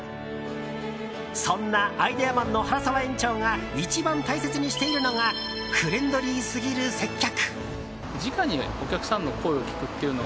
そんなアイデアマンの原澤園長が一番大切にしているのがフレンドリーすぎる接客。